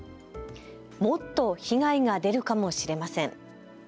もっと被害が出るかもしれません。